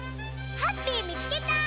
ハッピーみつけた！